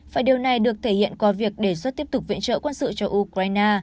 và điều này được thể hiện qua việc đề xuất tiếp tục viện trợ quân sự cho ukraine